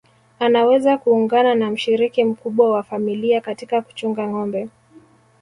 Anaweza kuungana na mshiriki mkubwa wa familia katika kuchunga ngombe